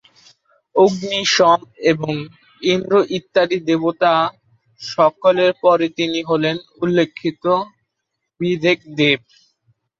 অগ্নি, সোম এবং ইন্দ্র ইত্যাদি দেবতা সকলের পরে তিনি হলেন অন্যতম উল্লেখযোগ্য বৈদিক দেবী।